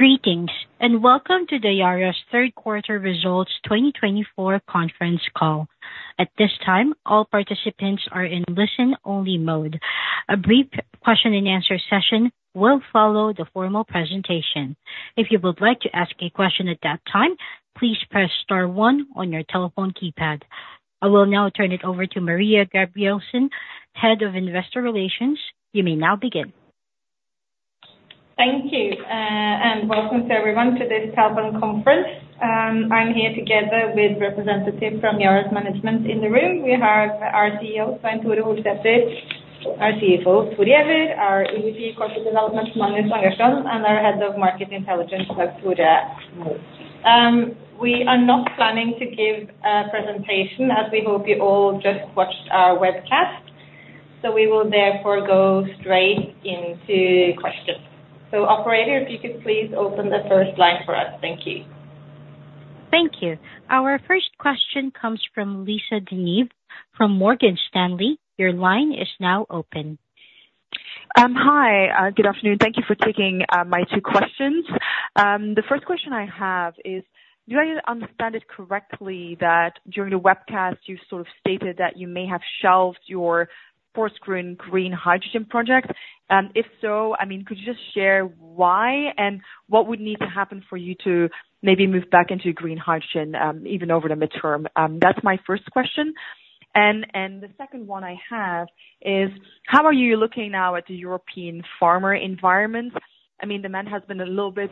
Greetings, and welcome to Yara's Third Quarter Results 2024 Conference Call. At this time, all participants are in listen-only mode. A brief question and answer session will follow the formal presentation. If you would like to ask a question at that time, please press star one on your telephone keypad. I will now turn it over to Maria Gabrielsen, Head of Investor Relations. You may now begin. Thank you, and welcome to everyone to this telephone conference. I'm here together with representative from Yara's management. In the room, we have our CEO, Svein Tore Holsether, our CFO, Thor Giæver, our EVP Corporate Development, Magnus Krogh Ankarstrand, and our Head of Market Intelligence, Dag Tore Mo. We are not planning to give a presentation, as we hope you all just watched our webcast. So we will therefore go straight into questions. So operator, if you could please open the first line for us. Thank you. Thank you. Our first question comes from Lisa De Neve from Morgan Stanley. Your line is now open. Hi. Good afternoon. Thank you for taking my two questions. The first question I have is, do I understand it correctly that during the webcast, you sort of stated that you may have shelved your Porsgrunn green hydrogen project? And if so, I mean, could you just share why, and what would need to happen for you to maybe move back into green hydrogen, even over the midterm? That's my first question. And the second one I have is: how are you looking now at the European farmer environment? I mean, demand has been a little bit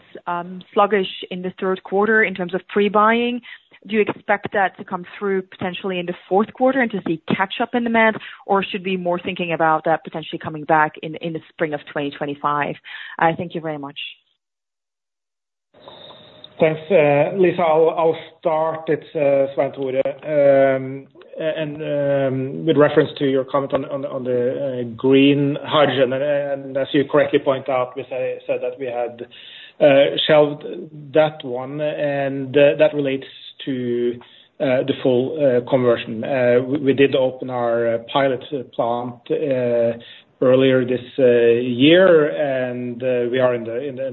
sluggish in the third quarter in terms of pre-buying. Do you expect that to come through potentially in the fourth quarter and to see catch-up in demand, or should we be more thinking about that potentially coming back in the spring of 2025? Thank you very much. Thanks, Lisa. I'll start it, Svein Tore. And with reference to your comment on the green hydrogen, and as you correctly point out, we said that we had shelved that one, and that relates to the full conversion. We did open our pilot plant earlier this year, and we are in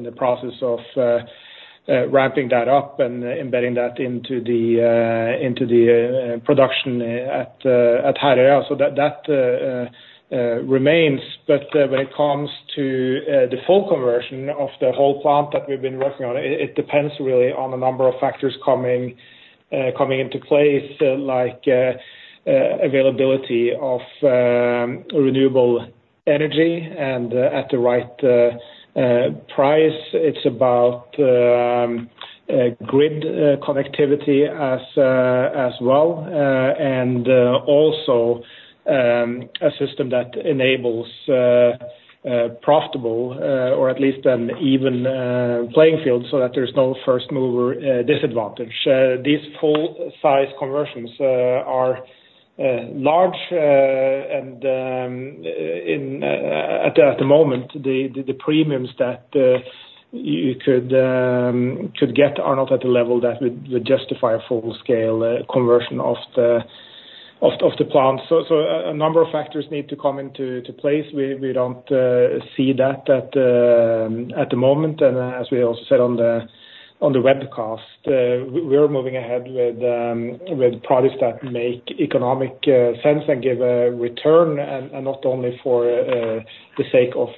the process of ramping that up and embedding that into the production at Herøya. So that remains. But when it comes to the full conversion of the whole plant that we've been working on, it depends really on a number of factors coming into place, like availability of renewable energy and at the right price. It's about grid connectivity as well, and also a system that enables profitable or at least an even playing field, so that there's no first mover disadvantage. These full-size conversions are large, and at the moment, the premiums that you could get are not at a level that would justify a full-scale conversion of the plant. So a number of factors need to come into place. We don't see that at the moment. And as we also said on the webcast, we are moving ahead with products that make economic sense and give a return, and not only for the sake of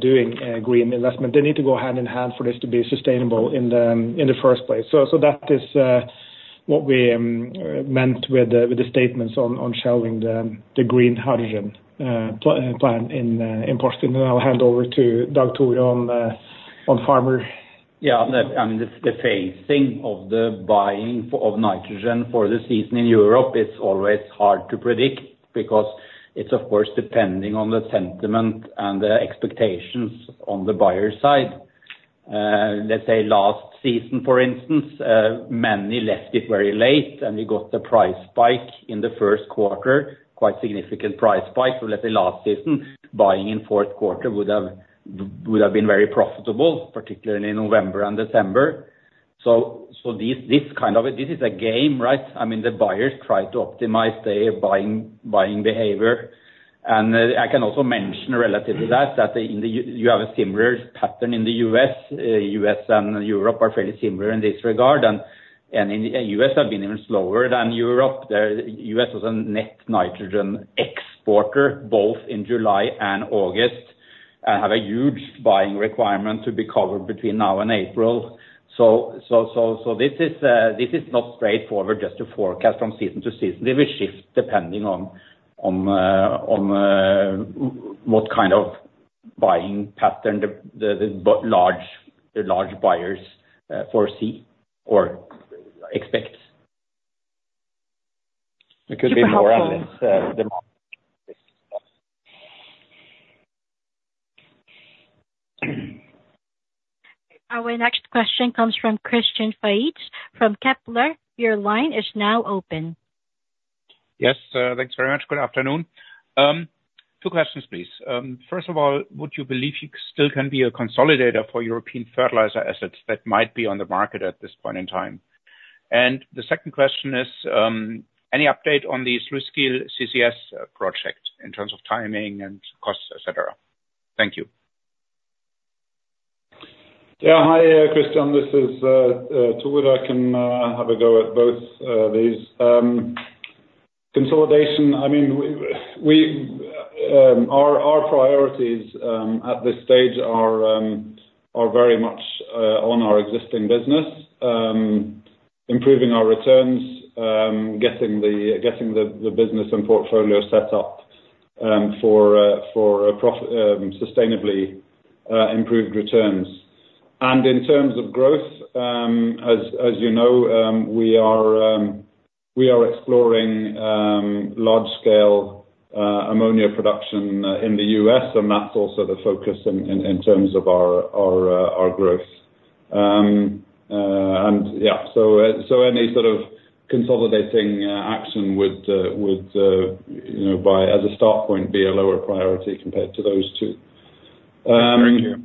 doing a green investment. They need to go hand in hand for this to be sustainable in the first place. That is what we meant with the statements on shelving the green hydrogen plan in Porsgrunn. I'll hand over to Dag Tore on farming. Yeah, I mean, the phasing of the buying of nitrogen for the season in Europe. It's always hard to predict, because it's of course depending on the sentiment and the expectations on the buyer side. Let's say last season, for instance, many left it very late, and we got a price spike in the first quarter, quite significant price spike. So let's say last season, buying in fourth quarter would have been very profitable, particularly in November and December. This is a game, right? I mean, the buyers try to optimize their buying behavior. And I can also mention relative to that, that in the U.S. you have a similar pattern in the U.S. U.S. and Europe are fairly similar in this regard, and in the U.S. have been even slower than Europe. The U.S. was a net nitrogen exporter both in July and August, and have a huge buying requirement to be covered between now and April. So this is not straightforward just to forecast from season to season. There is shifts depending on what kind of buying pattern the large buyers foresee or expect. It could be more on this, demand. Our next question comes from Christian Faitz, from Kepler. Your line is now open. Yes, thanks very much. Good afternoon. Two questions, please. First of all, would you believe you still can be a consolidator for European fertilizer assets that might be on the market at this point in time? The second question is, any update on the Sluiskil CCS project, in terms of timing and costs, et cetera? Thank you. Yeah. Hi, Christian, this is Thor. I can have a go at both of these. Consolidation, I mean, our priorities at this stage are very much on our existing business, improving our returns, getting the business and portfolio set up for sustainably improved returns. And in terms of growth, as you know, we are exploring large scale ammonia production in the U.S., and that's also the focus in terms of our growth. And yeah, so any sort of consolidating action would, you know, by as a start point, be a lower priority compared to those two. Thank you.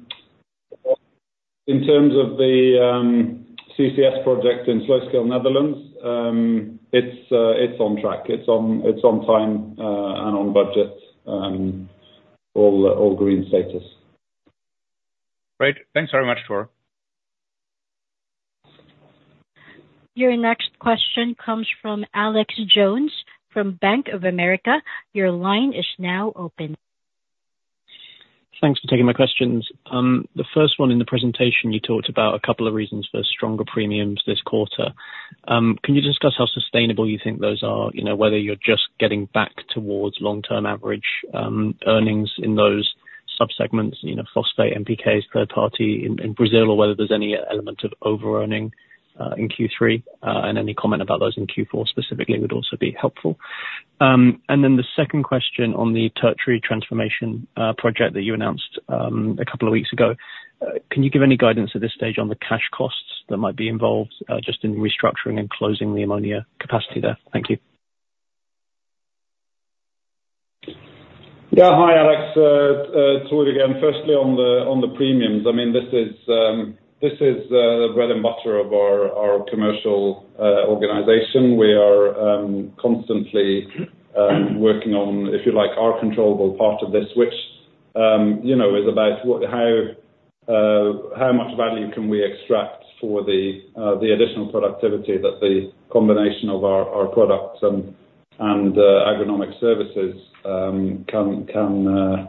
In terms of the CCS project in Sluiskil, Netherlands, it's on track. It's on time and on budget, all green status. Great. Thanks very much, Thor. Your next question comes from Alex Jones, from Bank of America. Your line is now open. Thanks for taking my questions. The first one, in the presentation, you talked about a couple of reasons for stronger premiums this quarter. Can you discuss how sustainable you think those are? You know, whether you're just getting back towards long-term average earnings in those sub-segments, you know, phosphate, NPKs, third party in Brazil, or whether there's any element of overearning in Q3? And any comment about those in Q4 specifically would also be helpful. And then the second question on the Tertre transformation project that you announced a couple of weeks ago. Can you give any guidance at this stage on the cash costs that might be involved just in restructuring and closing the ammonia capacity there? Thank you. Yeah. Hi, Alex, Thor again. Firstly, on the premiums, I mean, this is the bread and butter of our commercial organization. We are constantly working on, if you like, our controllable part of this, which, you know, is about what, how much value can we extract for the additional productivity that the combination of our products and agronomic services can...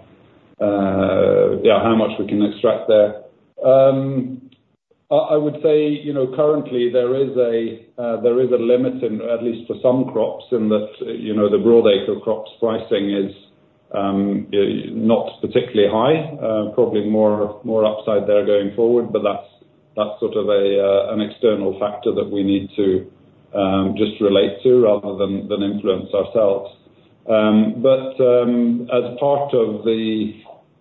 Yeah, how much we can extract there. I would say, you know, currently there is a limit in, at least for some crops, in that, you know, the broad acre crops pricing is not particularly high, probably more upside there going forward. But that's, that's sort of a, an external factor that we need to, just relate to, rather than, than influence ourselves. But, as part of the,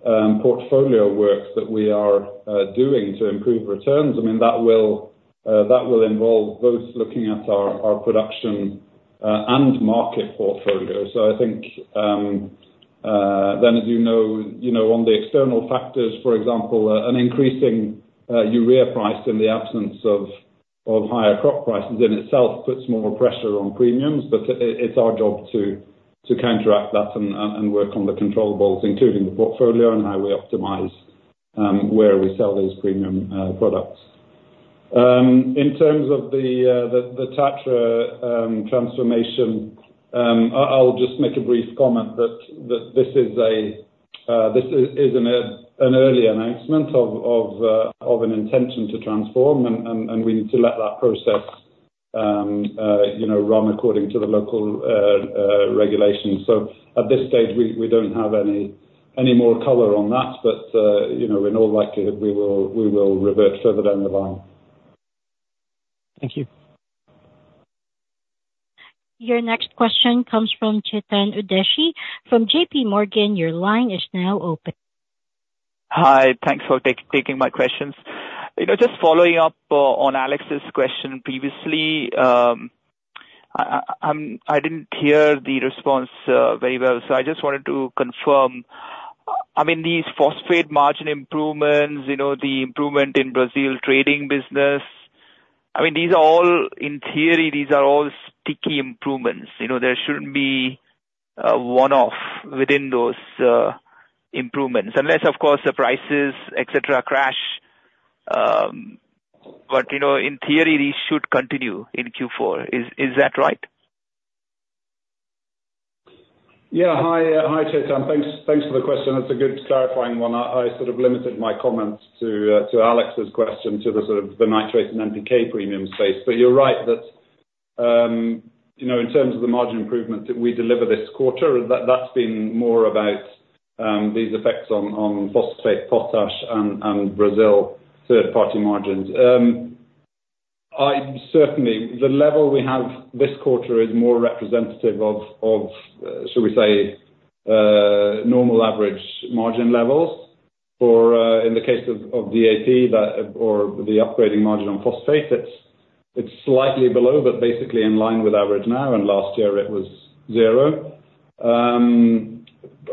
portfolio work that we are, doing to improve returns, I mean, that will, that will involve both looking at our, our production, and market portfolio. So I think, then as you know, you know, on the external factors, for example, an increasing, urea price in the absence of, of higher crop prices in itself, puts more pressure on premiums, but it, it's our job to, to counteract that, and, and, and work on the controllables, including the portfolio and how we optimize, where we sell those premium, products. In terms of the Tertre transformation, I'll just make a brief comment that this is an early announcement of an intention to transform, and we need to let that process, you know, run according to the local regulations. So at this stage, we don't have any more color on that, but you know, in all likelihood, we will revert further down the line. Thank you. Your next question comes from Chetan Udeshi, from JPMorgan. Your line is now open. Hi, thanks for taking my questions. You know, just following up on Alex's question previously, I didn't hear the response very well, so I just wanted to confirm. I mean, these phosphate margin improvements, you know, the improvement in Brazil trading business, I mean, these are all, in theory, these are all sticky improvements. You know, there shouldn't be a one-off within those improvements, unless, of course, the prices, et cetera, crash. But, you know, in theory, these should continue in Q4. Is that right? Yeah. Hi, hi, Chetan. Thanks, thanks for the question. That's a good clarifying one. I sort of limited my comments to Alex's question, to the sort of the nitrate and NPK premium space. But you're right, that you know, in terms of the margin improvement that we deliver this quarter, that's been more about these effects on phosphate, potash, and Brazil third-party margins. Certainly, the level we have this quarter is more representative of shall we say normal average margin levels for in the case of DAP or the upgrading margin on phosphate, it's slightly below, but basically in line with average now, and last year it was zero.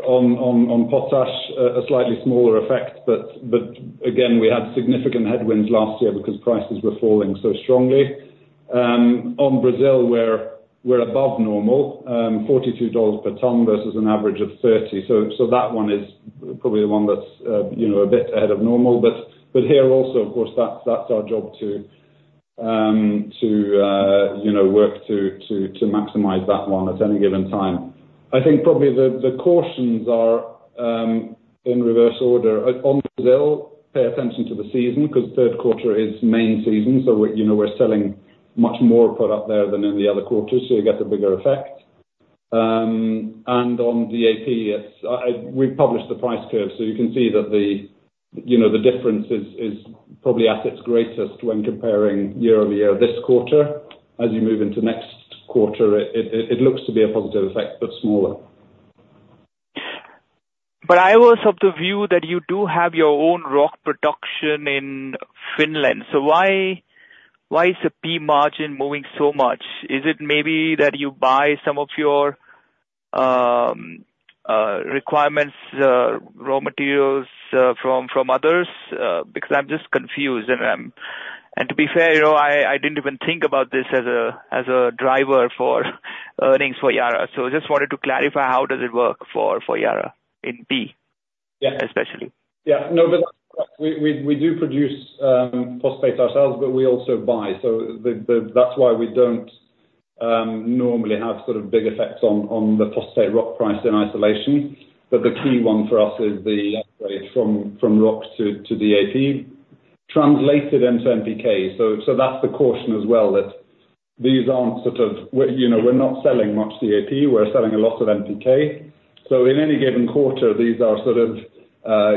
On potash, a slightly smaller effect, but again, we had significant headwinds last year because prices were falling so strongly. On Brazil, we're above normal, $42 per ton versus an average of $30. So that one is probably the one that's, you know, a bit ahead of normal. But here also, of course, that's our job to, you know, work to maximize that one at any given time. I think probably the cautions are in reverse order. On Brazil, pay attention to the season, 'cause third quarter is main season, so we're, you know, selling much more product there than in the other quarters, so you get a bigger effect. And on the AP, we've published the price curve, so you can see that the, you know, the difference is probably at its greatest when comparing year-over-year this quarter. As you move into next quarter, it looks to be a positive effect, but smaller. But I was of the view that you do have your own rock production in Finland, so why is the P margin moving so much? Is it maybe that you buy some of your requirements, raw materials, from others? Because I'm just confused, and to be fair, you know, I didn't even think about this as a driver for earnings for Yara. So I just wanted to clarify how does it work for Yara in P. Yeah. especially? Yeah, no, but we do produce phosphate ourselves, but we also buy. So that's why we don't normally have sort of big effects on the phosphate rock price in isolation. But the key one for us is the upgrade from rock to DAP, translated into NPK. So that's the caution as well, that these aren't sort of... We're, you know, we're not selling much DAP, we're selling a lot of NPK. So in any given quarter, these are sort of,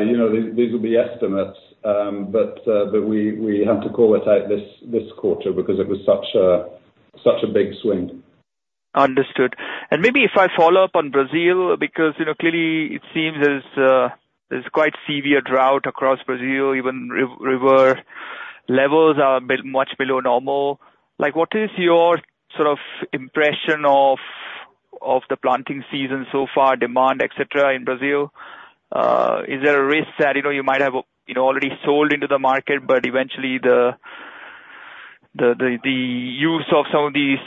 you know, these will be estimates, but we have to call it out this quarter, because it was such a big swing. Understood. And maybe if I follow up on Brazil, because, you know, clearly it seems as, there's quite severe drought across Brazil, even river levels are much below normal. Like, what is your sort of impression of the planting season so far, demand, et cetera, in Brazil? Is there a risk that, you know, you might have, you know, already sold into the market, but eventually the use of some of these,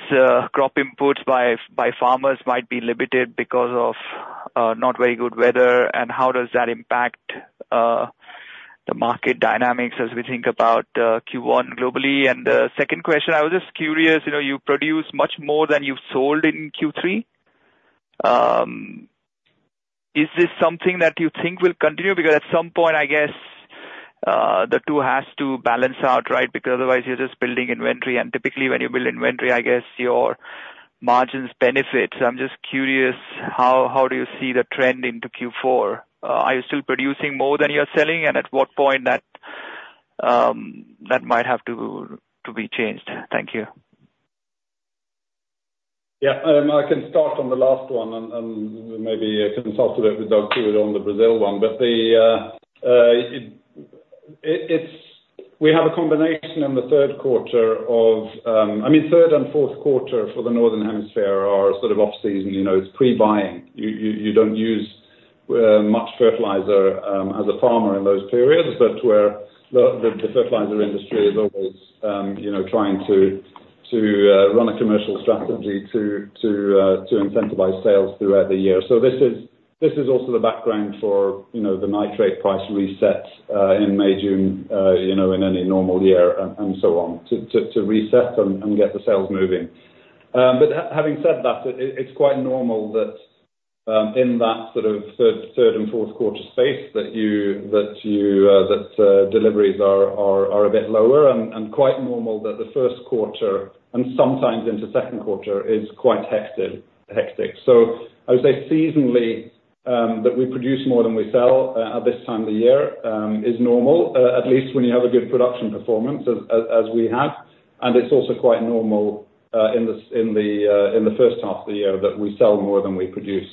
crop inputs by farmers might be limited because of, not very good weather, and how does that impact, the market dynamics as we think about, Q1 globally? Second question, I was just curious, you know, you produce much more than you've sold in Q3. Is this something that you think will continue? Because at some point, I guess, the two has to balance out, right? Because otherwise you're just building inventory, and typically when you build inventory, I guess your margins benefit. So I'm just curious, how do you see the trend into Q4? Are you still producing more than you're selling, and at what point that might have to be changed? Thank you. Yeah, I can start on the last one, and maybe I can talk a bit with Dag Tore Mo on the Brazil one. But it's a combination in the third quarter of, I mean, third and fourth quarter for the Northern Hemisphere are sort of off-season, you know, it's pre-buying. You don't use much fertilizer as a farmer in those periods. But the fertilizer industry is always, you know, trying to run a commercial strategy to incentivize sales throughout the year. So this is also the background for, you know, the nitrate price reset in May, June, you know, in any normal year, and so on, to reset and get the sales moving. But having said that, it's quite normal that in that sort of third and fourth quarter space, deliveries are a bit lower, and quite normal that the first quarter, and sometimes into second quarter, is quite hectic. So I would say seasonally, that we produce more than we sell at this time of the year is normal, at least when you have a good production performance, as we have, and it's also quite normal in the first half of the year, that we sell more than we produce.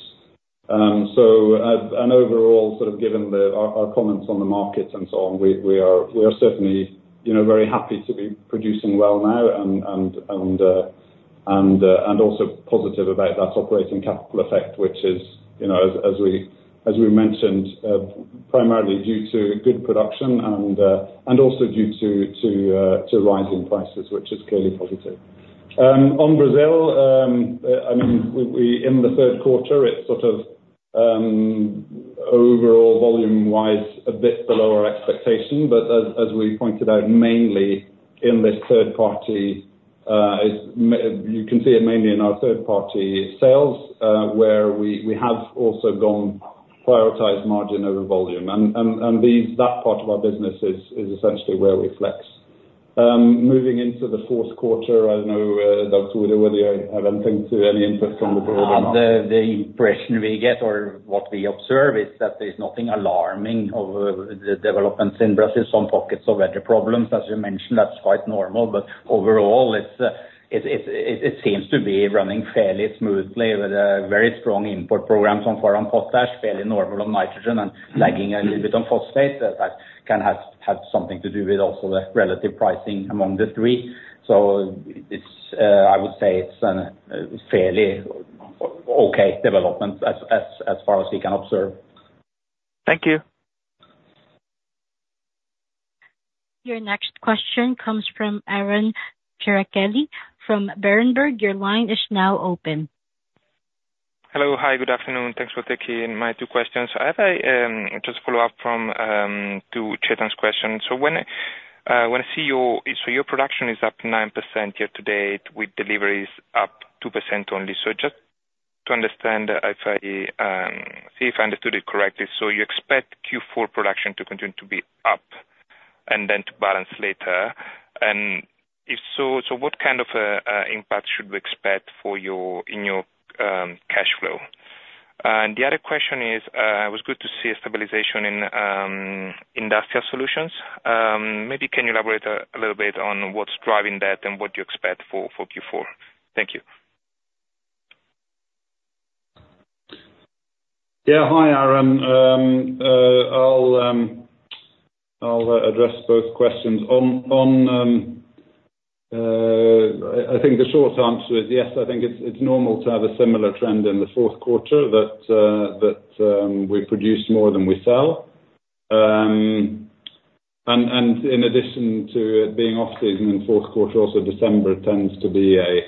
So, as an overall, sort of given our comments on the markets and so on, we are certainly, you know, very happy to be producing well now, and also positive about that working capital effect, which is, you know, as we mentioned, primarily due to good production, and also due to rising prices, which is clearly positive. On Brazil, I mean, in the third quarter, it sort of, overall volume-wise, a bit below our expectation, but as we pointed out, mainly in the third-party, you can see it mainly in our third-party sales, where we have also chosen to prioritize margin over volume. And that part of our business is essentially where we flex. Moving into the fourth quarter, I don't know, Dag Tore Mo, whether you have anything to add in from on Brazil or not? The impression we get, or what we observe, is that there's nothing alarming of the developments in Brazil. Some pockets of weather problems, as you mentioned, that's quite normal, but overall, it's it seems to be running fairly smoothly, with very strong import programs on foreign potash, fairly normal on nitrogen, and lagging a little bit on phosphate. That can have something to do with also the relative pricing among the three. So it's I would say it's an fairly okay development as far as we can observe. Thank you. Your next question comes from Aron Ceccarelli from Berenberg. Your line is now open. Hello. Hi, good afternoon. Thanks for taking my two questions. I have a just follow up from to Chetan's question. So when I see your production is up 9% year to date, with deliveries up 2% only. So just to understand if I see if I understood it correctly, you expect Q4 production to continue to be up and then to balance later? And if so, what kind of impact should we expect for your in your cash flow? And the other question is, it was good to see a stabilization in Industrial Solutions. Maybe you can elaborate a little bit on what's driving that and what you expect for Q4? Thank you. Yeah. Hi, Aron, I'll address both questions. On, I think the short answer is yes, I think it's normal to have a similar trend in the fourth quarter that we produce more than we sell. And in addition to it being off season in the fourth quarter, also December tends to be a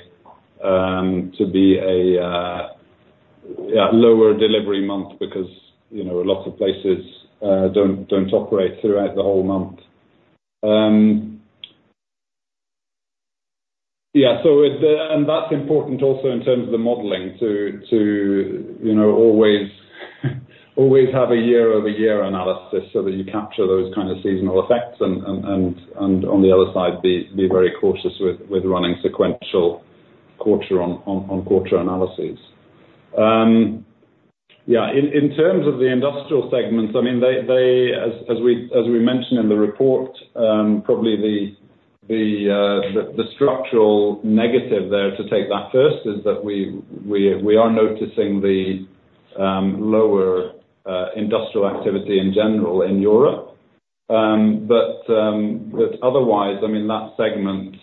yeah lower delivery month because, you know, lots of places don't operate throughout the whole month. Yeah, so it. And that's important also in terms of the modeling to you know always have a year-over-year analysis, so that you capture those kind of seasonal effects and on the other side, be very cautious with running sequential quarter-on-quarter analyses. Yeah, in terms of the industrial segments, I mean, they, as we mentioned in the report, probably the structural negative there, to take that first, is that we are noticing the lower industrial activity in general in Europe. But otherwise, I mean, that segment,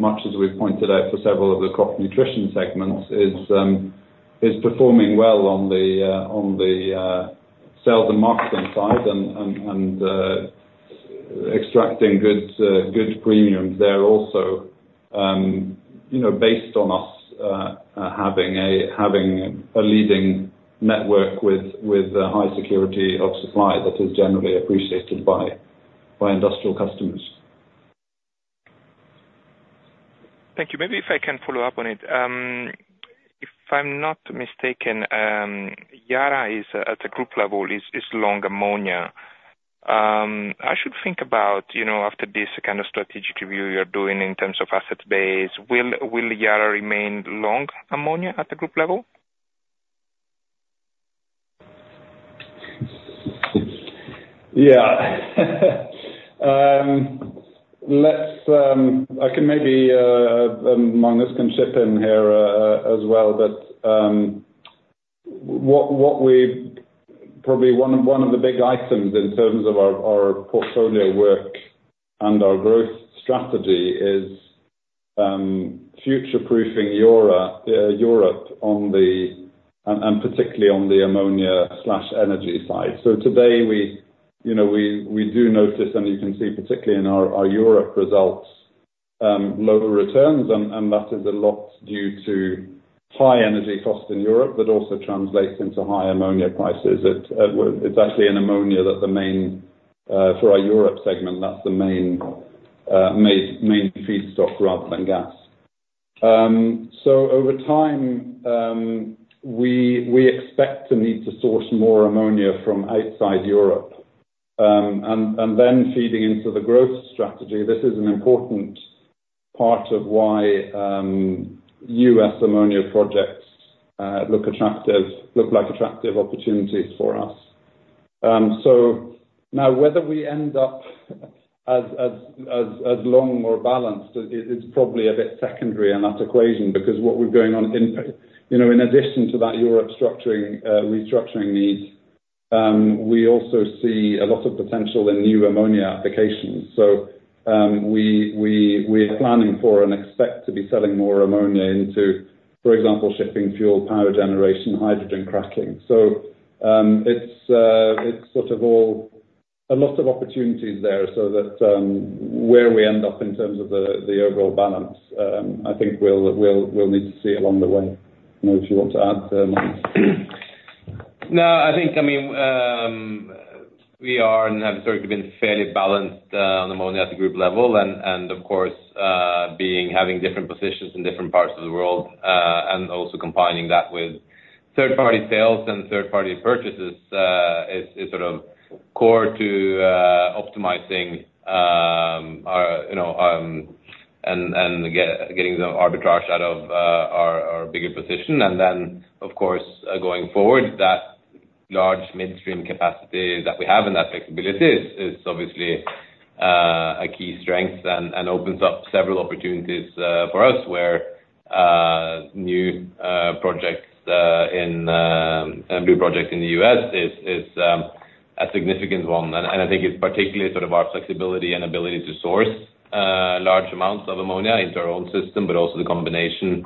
much as we've pointed out for several of the crop nutrition segments, is performing well on the sales and marketing side. And extracting good premiums there also, you know, based on us having a leading network with high security of supply, that is generally appreciated by industrial customers. Thank you. Maybe if I can follow up on it. If I'm not mistaken, Yara is, at the group level, long ammonia. I should think about, you know, after this kind of strategic review you're doing in terms of asset base, will Yara remain long ammonia at the group level? Yeah. Let's, I can maybe, Magnus can chip in here, as well, but, what we probably one of the big items in terms of our portfolio work and our growth strategy is, future-proofing Yara, Europe on the, and particularly on the ammonia slash energy side. So today we, you know, we do notice, and you can see particularly in our Europe results, lower returns, and that is a lot due to high energy costs in Europe, but also translates into high ammonia prices. It's actually in ammonia that the main, for our Europe segment, that's the main feedstock rather than gas. So over time, we expect to need to source more ammonia from outside Europe, and then feeding into the growth strategy, this is an important part of why U.S. ammonia projects look like attractive opportunities for us. So now whether we end up as long or balanced, it's probably a bit secondary in that equation, because what we're going on in, you know, in addition to that Europe restructuring needs, we also see a lot of potential in new ammonia applications. So, we're planning for and expect to be selling more ammonia into, for example, shipping fuel, power generation, hydrogen cracking. It's sort of a lot of opportunities there, so that where we end up in terms of the overall balance, I think we'll need to see along the way. You know, if you want to add, Magnus. No, I think, I mean, we are and have sort of been fairly balanced on ammonia at the group level, and of course, having different positions in different parts of the world, and also combining that with third-party sales and third-party purchases, is sort of core to optimizing our, you know, and getting the arbitrage out of our bigger position. Then, of course, going forward, that large midstream capacity that we have and that flexibility is obviously a key strength and opens up several opportunities for us, where new projects in the U.S. is a significant one. I think it's particularly sort of our flexibility and ability to source large amounts of ammonia into our own system, but also the combination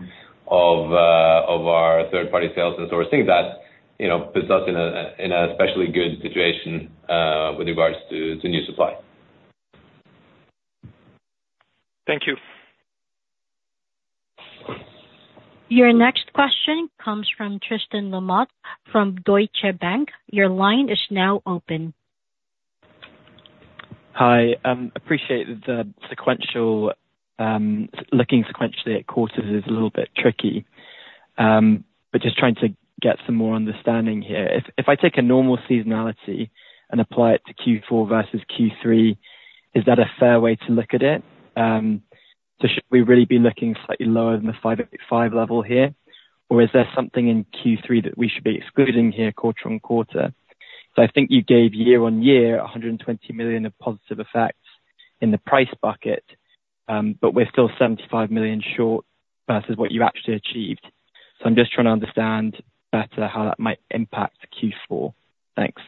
of our third-party sales and sourcing that, you know, puts us in an especially good situation with regards to new supply. Thank you. Your next question comes from Tristan Lamotte from Deutsche Bank. Your line is now open. Hi. Appreciate the sequential. Looking sequentially at quarters is a little bit tricky. But just trying to get some more understanding here. If I take a normal seasonality and apply it to Q4 versus Q3, is that a fair way to look at it? So should we really be looking slightly lower than the five eighty-five level here? Or is there something in Q3 that we should be excluding here quarter-on-quarter? So I think you gave year-on-year, a hundred and 20 million of positive effect in the price bucket, but we're still 75 million short versus what you actually achieved. So I'm just trying to understand better how that might impact Q4. Thanks.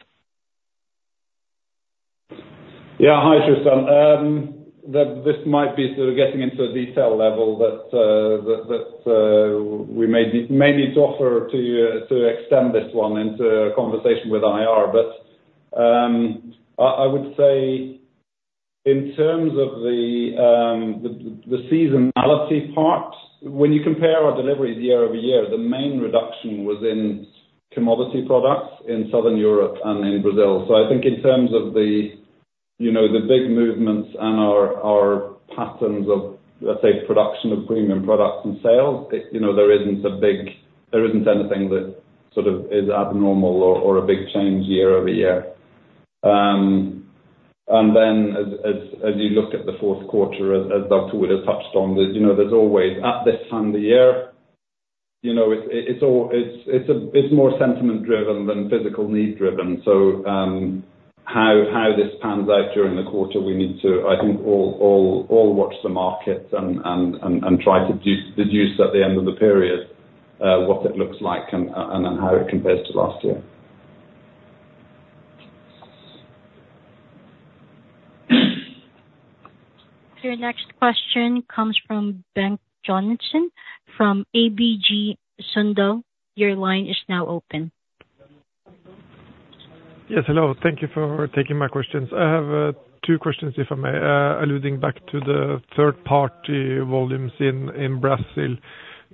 Yeah. Hi, Tristan. This might be sort of getting into a detail level, but we may need to offer to extend this one into a conversation with IR. But I would say in terms of the seasonality part, when you compare our deliveries year-over-year, the main reduction was in commodity products in Southern Europe and in Brazil. So I think in terms of, you know, the big movements and our patterns of, let's say, production of premium products and sales, you know, there isn't anything that sort of is abnormal or a big change year-over-year. And then as you look at the fourth quarter, as Thor has touched on, there's, you know, there's always at this time of the year, you know, it's all, it's more sentiment driven than physical need driven. So, how this pans out during the quarter, we need to, I think, all watch the markets and try to deduce at the end of the period what that looks like and how it compares to last year. Your next question comes from Bengt Jonassen from ABG Sundal. Your line is now open. Yes, hello. Thank you for taking my questions. I have two questions, if I may. Alluding back to the third-party volumes in Brazil.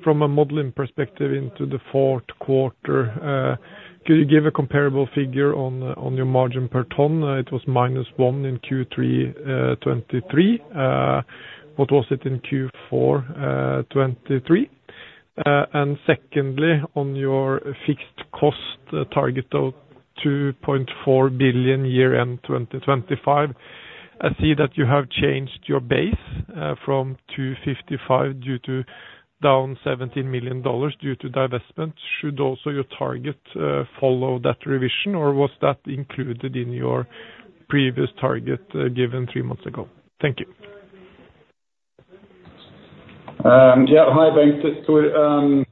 From a modeling perspective into the fourth quarter, could you give a comparable figure on your margin per ton? It was -$1 in Q3 2023. What was it in Q4 2023? And secondly, on your fixed cost target of $2.4 billion year-end 2025, I see that you have changed your base from 255 due to down $17 million due to divestment. Should also your target follow that revision, or was that included in your previous target given three months ago? Thank you. Yeah. Hi, Bengt. It's Thor.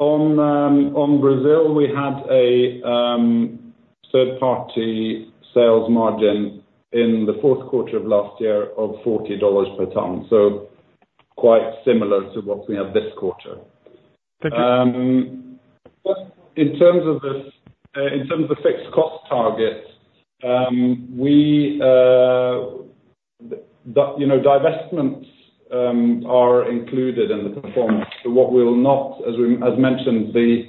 On Brazil, we had a third-party sales margin in the fourth quarter of last year of $40 per ton, so quite similar to what we have this quarter. Thank you. But in terms of this, in terms of fixed cost target, we, you know, divestments, are included in the performance. But what we'll not, as we, as mentioned, the,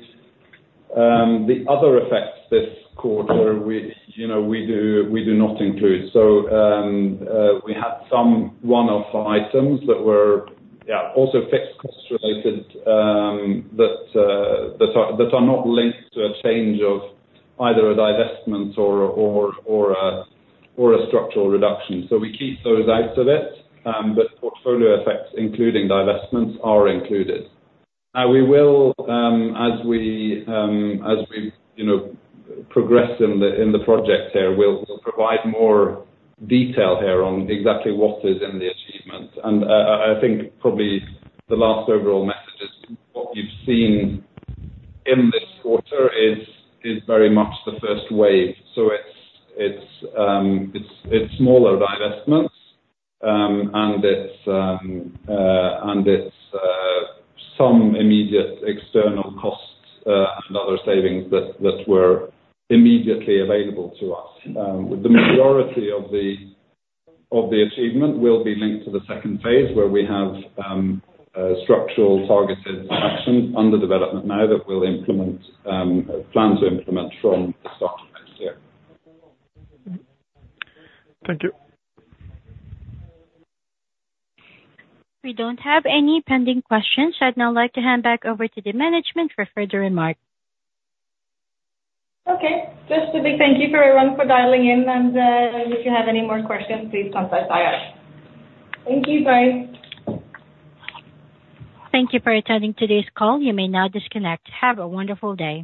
the other effects this quarter, which, you know, we do, we do not include. So, we had some one-off items that were, yeah, also fixed cost related, that, that are, that are not linked to a change of either a divestment or, or, or a, or a structural reduction. So we keep those out of it, but portfolio effects, including divestments, are included. We will, as we, as we, you know, progress in the, in the project here, we'll, we'll provide more detail here on exactly what is in the achievement. I think probably the last overall message is what you've seen in this quarter is very much the first wave. It's smaller divestments, and it's some immediate external costs, and other savings that were immediately available to us. The majority of the achievement will be linked to the second phase, where we have structural targeted action under development now that we plan to implement from the stafrt of next year. Thank you. We don't have any pending questions. I'd now like to hand back over to the management for further remarks. Okay. Just a big thank you for everyone for dialing in, and, if you have any more questions, please contact IR. Thank you, bye. Thank you for attending today's call. You may now disconnect. Have a wonderful day.